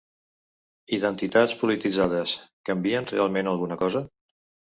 Identitats polititzades: canvien realment alguna cosa?